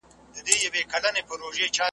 چي هر څومره منډه کړو شاته پاتیږو .